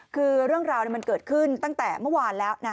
คือเรื่องราวมันเกิดขึ้นตั้งแต่เมื่อวานแล้วนะ